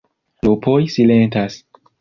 Lupoj silentas.